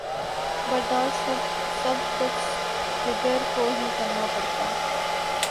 برداشت سب کچھ جگر کو ہی کرنا پڑتا۔